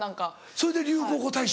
それで流行語大賞？